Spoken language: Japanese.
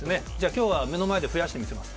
今日は目の前で増やしてみせます。